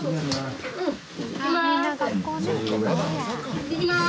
いってきます。